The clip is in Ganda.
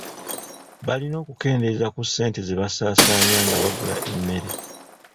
Balina okukendeeza ku ssente ze basaasaanya nga bagula emmere.